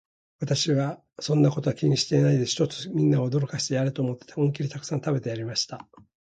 しかし私は、そんなことは気にしないで、ひとつみんなを驚かしてやれと思って、思いきりたくさん食べてやりました。